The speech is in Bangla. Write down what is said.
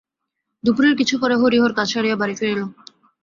দুপুরের কিছু পরে হরিহর কাজ সারিয়া বাড়ি ফিরিল।